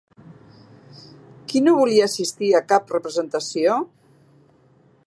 Qui no volia assistir a cap representació?